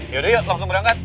yaudah yuk langsung berangkat